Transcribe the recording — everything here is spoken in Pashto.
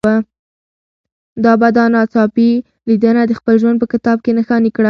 زه به دا ناڅاپي لیدنه د خپل ژوند په کتاب کې نښاني کړم.